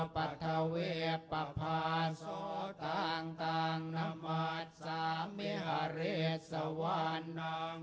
ภัทธาวิปภาสโตต่างน้ำมัติสามิหาริสวานนัง